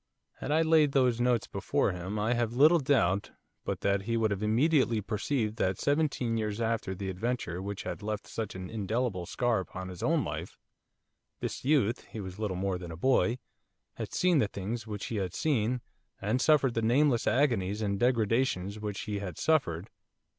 Had I laid those notes before him I have little doubt but that he would have immediately perceived that seventeen years after the adventure which had left such an indelible scar upon his own life, this youth he was little more than a boy had seen the things which he had seen, and suffered the nameless agonies and degradations which he had suffered.